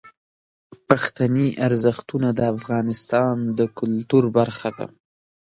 پښتني ارزښتونه د افغانستان د کلتور برخه ده.